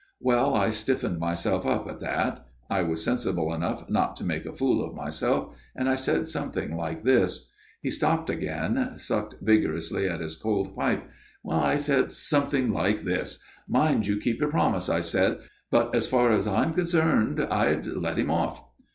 "' Well, I stiffened myself up at that. I was sensible enough not to make a fool of myself, and I said something like this." He stopped again ; sucked vigorously at his cold pipe. " I said something like this :' Mind you keep your promise,' I said, ' but as far as I am concerned, I'd let him off.'